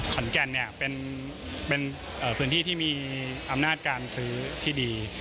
ขอนแก่นเป็นพื้นที่ที่มีอำนาจการซื้อที่ดี